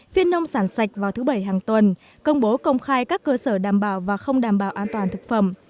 phiên nông sản sạch vào thứ bảy hàng tuần công bố công khai các cơ sở đảm bảo và không đảm bảo an toàn thực phẩm